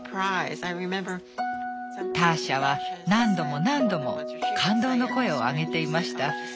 ターシャは何度も何度も感動の声を上げていました。